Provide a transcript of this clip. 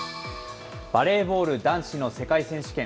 バレーボール男子の世界選手権。